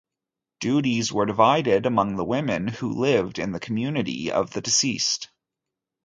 Duties were divided among the women who lived in the community of the deceased.